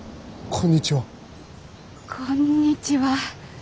こんにちは。